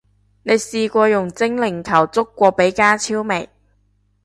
你試過用精靈球捉過比加超未？